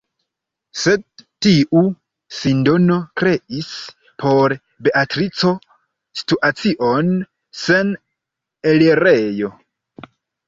Sed tiu sindono kreis por Beatrico situacion sen elirejo.